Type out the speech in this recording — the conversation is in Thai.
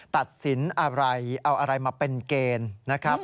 ตัดสินอะไรเอาอะไรมาเป็นเกณฑ์นะครับ